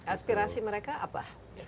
aspirasi mereka apa